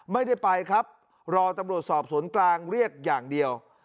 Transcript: ไม่ได้ไปครับรอตำรวจสอบสวนกลางเรียกอย่างเดียว